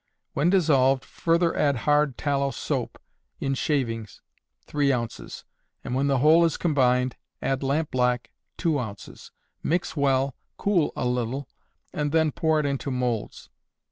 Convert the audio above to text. When dissolved, further add hard tallow soap (in shavings), three ounces; and when the whole is combined, add lampblack, two ounces. Mix well, cool a little, and then pour it into molds.